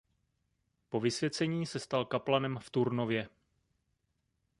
Po vysvěcení se stal kaplanem v Turnově.